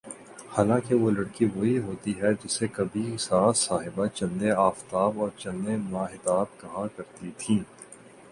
حالانکہ وہ لڑکی وہی ہوتی ہے جسے کبھی ساس صاحبہ چندے آفتاب اور چندے ماہتاب کہا کرتی تھیں